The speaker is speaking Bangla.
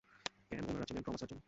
ক্যাম, ওনারা হলেন ট্রমা সার্জন।